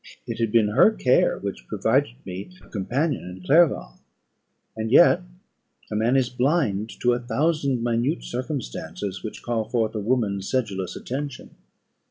It had been her care which provided me a companion in Clerval and yet a man is blind to a thousand minute circumstances, which call forth a woman's sedulous attention.